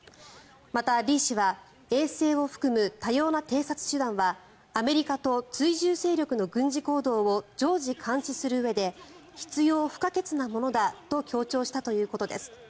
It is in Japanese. また、リ氏は衛星を含む多様な偵察手段はアメリカと追従勢力の軍事行動を常時監視するうえで必要不可欠なものだと強調したということです。